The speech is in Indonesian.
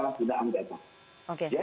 akan tidak ada penyalahgunaan data